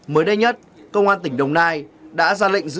mới đây nhất công an tỉnh đồng nai đã ra lệnh giữ